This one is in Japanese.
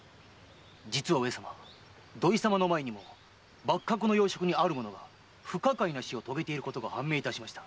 実は上様土井様の前にも幕閣の要職にある者が不可解な死を遂げていることが判明いたしました。